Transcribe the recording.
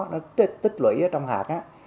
nó tích lũy ở trong hạt á